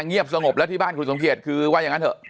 เงียบสงบแล้วที่บ้านคุณสมเกียจคือว่าอย่างนั้นเถอะ